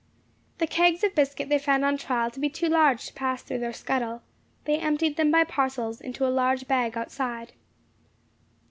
The kegs of biscuit they found on trial to be too large to pass through their scuttle; they emptied them by parcels into a large bag outside.